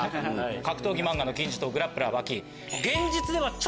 格闘技漫画の金字塔『グラップラー刃牙』。